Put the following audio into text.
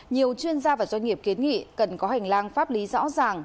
nhiều chuyên gia và doanh nghiệp kiến nghị cần có hành lang pháp lý rõ ràng